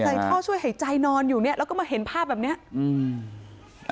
ท่อช่วยหายใจนอนอยู่เนี้ยแล้วก็มาเห็นภาพแบบเนี้ยอืม